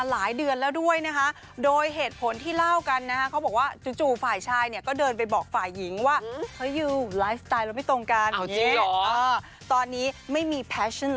แหล่งข้างอย่างนี้หรอ